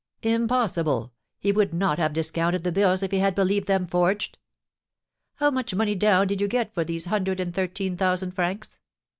"Impossible! He would not have discounted the bills if he had believed them forged." "How much money down did you get for these hundred and thirteen thousand francs?"